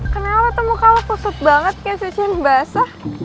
kenapa tuh muka lo kusut banget kayak susian basah